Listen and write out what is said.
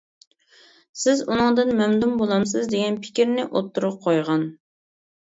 سىز ئۇنىڭدىن مەمنۇن بولامسىز دېگەن پىكىرنى ئوتتۇرىغا قويغان.